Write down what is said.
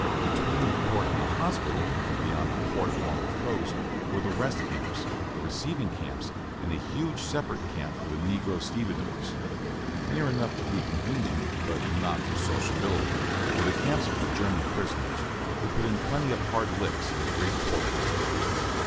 Between the port and the hospital, and beyond the port along the coast, were the rest camps, the receiving camps, and a huge separate camp for the negro stevedores. Near enough to be convenient, but not for sociability, were the camps for the German prisoners, who put in plenty of hard licks in the great port building.